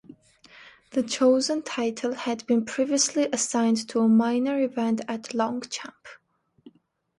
The chosen title had been previously assigned to a minor event at Longchamp.